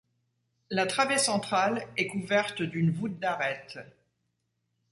La travée centrale est couverte d'une voûte d'arêtes.